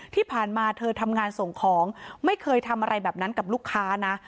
ที่ผ่านมาเธอทำงานส่งของไม่เคยทำอะไรแบบนั้นกับลูกค้านะ